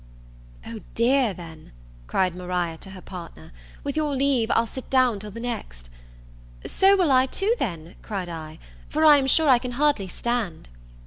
"O dear, then" cried Maria to her partner, "with your leave, I'll sit down till the next." "So will I too, then," cried I, "for I am sure I can hardly stand."